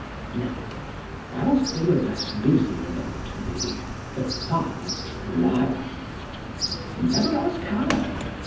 Now, whilst they were thus busy about me, the fire triumphed, never ask how?